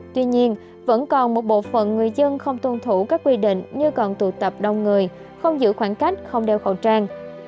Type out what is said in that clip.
tuy nhiên vẫn còn một bộ phận người dân không tuân thủ các quy định như còn tụ tập đông người không giữ khoảng cách không đeo khẩu trang